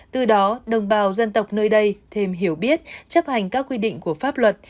từ đó đồng bào dân tộc nơi đây thêm hiểu biết chấp hành các quy định của pháp luật